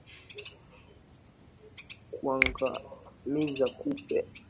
Kuangamiza kupe